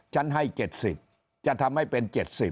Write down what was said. ฉันให้๗๐จะทำให้เป็น๗๐